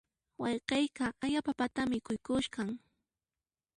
Wayqiyqa haya papata mikhuykusqa.